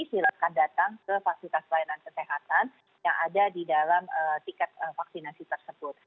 silahkan datang ke fasilitas pelayanan kesehatan yang ada di dalam tiket vaksinasi tersebut